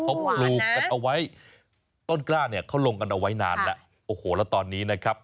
อู๋หวานนะพอลูกเอาไว้ต้นกล้าเขาลงกันเอาไว้นานละโอ้โหแล้วตอนนี้นะครับ